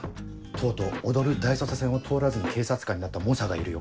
とうとう『踊る大捜査線』を通らずに警察官になった猛者がいるよ。